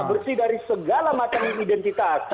bersih dari segala macam identitas